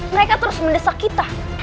mereka terus mendesak kita